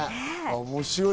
面白い。